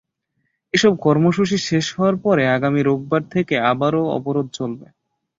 এসব কর্মসূচি শেষ হওয়ার পরে আগামী রোববার থেকে আবারও অবরোধ চলবে।